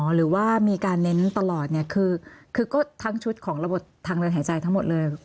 หรือว่ามีการเน้นตลอดเนี่ยคือก็ทั้งชุดของระบบทางเดินหายใจทั้งหมดเลย